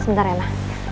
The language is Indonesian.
ah sebentar ella